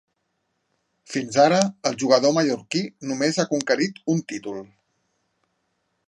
Fins ara, el jugador mallorquí només ha conquerit un títol.